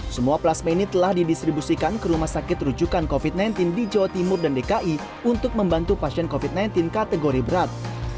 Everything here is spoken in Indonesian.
semua plasma ini telah didistribusikan ke rumah sakit rujukan covid sembilan belas di jawa timur dan dki untuk membantu pasien covid sembilan belas kategori berat